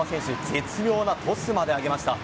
絶妙なトスまで上げました。